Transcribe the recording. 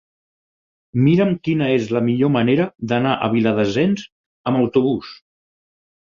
Mira'm quina és la millor manera d'anar a Viladasens amb autobús.